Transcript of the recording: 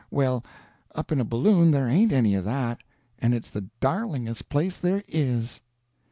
Well, up in a balloon there ain't any of that, and it's the darlingest place there is.